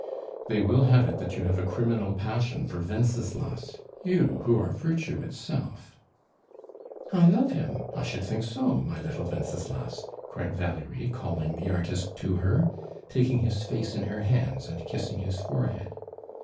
"They will have it that you have a criminal passion for Wenceslas you, who are virtue itself." "I love him! I should think so, my little Wenceslas!" cried Valerie, calling the artist to her, taking his face in her hands, and kissing his forehead.